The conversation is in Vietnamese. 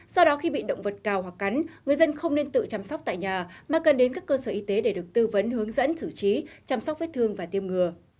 sau đó khi bị động vật cao hoặc cắn người dân không nên tự chăm sóc tại nhà mà cần đến các cơ sở y tế để được tư vấn hướng dẫn xử trí chăm sóc vết thương và tiêm ngừa